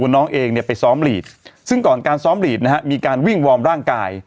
น้องเองเนี่ยไปซ้อมหลีดซึ่งก่อนการซ้อมหลีดนะฮะมีการวิ่งวอร์มร่างกาย